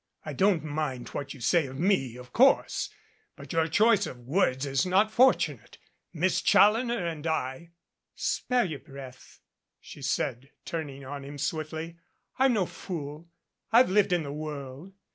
"I don't mind what you say of me, of course, but your choice of words is not fortunate. Miss Challoner and j "Spare your breath," she said, turning on him swiftly. "I'm no fool. I've lived in the world.